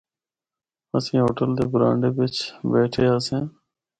اسیں ہوٹل دے برانڈے بچ بیٹھے آسیاں۔